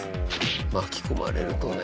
巻き込まれるとね。